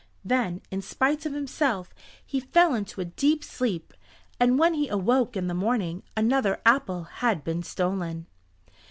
Then, in spite of himself, he fell into a deep sleep, and when he awoke in the morning another apple had been stolen.